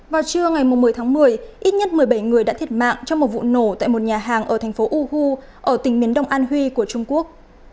vào trưa ngày một mươi tháng một mươi ít nhất một mươi bảy người đã thiệt mạng trong một vụ nổ tại một nhà hàng ở thành phố ugu ở tỉnh miền đông an huy của trung quốc